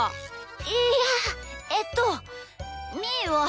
いやえっとみーは。